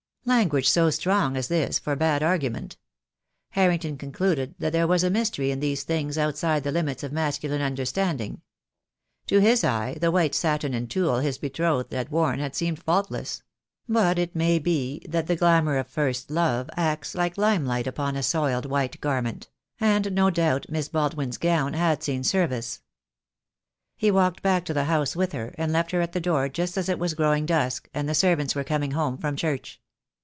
Language so strong as this forbade argument. Har rington concluded that there was a mystery in these things outside the limits of masculine understanding. To his eye the white satin and tulle his betrothed had worn had seemed faultless; but it may be that the glamour of first love acts like lime light upon a soiled white garment; and no doubt Miss Baldwin's gown had seen service. He walked back to the house with her, and left her at the door just as it was growing dusk, and the servants were coming home from church.